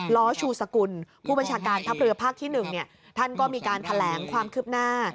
ล้อชูสกุลผู้บัญชาการทัพเรือภาคที่๑ท่านก็มีการแถลงความคืบหน้า